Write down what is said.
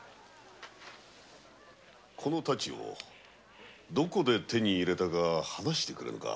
この太刀をどこで手に入れたか話してくれぬか。